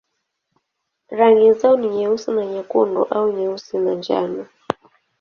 Rangi zao ni nyeusi na nyekundu au nyeusi na njano.